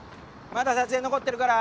まだ撮影残ってるから。